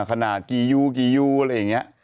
ขนาดกี่ยูกี่ยูอะไรอย่างนี้